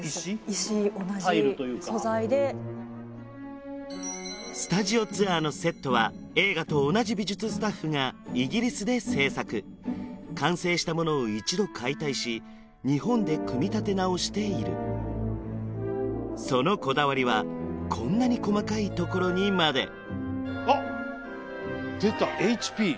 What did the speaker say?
石同じ素材でタイルというかスタジオツアーのセットは映画と同じ美術スタッフがイギリスで制作完成したものを一度解体し日本で組み立て直しているそのこだわりはこんなに細かいところにまであっ出た「Ｈ．Ｐ．」